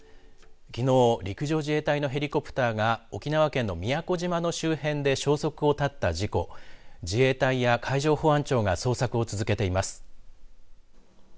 きのう陸上自衛隊のヘリコプターが沖縄県の宮古島周辺で消息をたった事故自衛隊や海上保安庁が捜索を続けています。